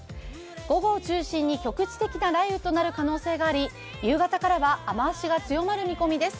午後を中心に局地的な雷雨となる可能性があり夕方からは雨足が強まる見込みです。